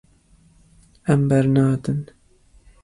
Em bernadin.